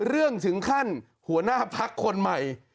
เรื่องถึงขั้นหัวหน้าพักคนใหม่